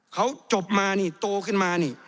เขาจบมานี่โตขึ้นมานี่